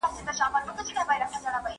محمد داود خان د واکمنۍ پر مهال طاهر بدخشي، د